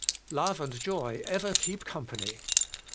4. Love and joy ever keep company.